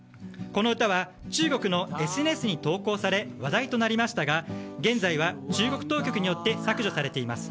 この歌は中国のＳＮＳに投稿され話題となりましたが現在は中国当局によって削除されています。